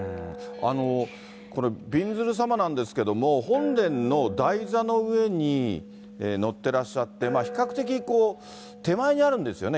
これ、びんずる様なんですけれども、本殿の台座の上に乗ってらっしゃって、比較的手前にあるんですよね。